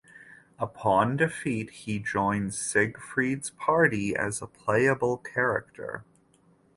Upon defeat, he joins Siegfried's party as a playable character.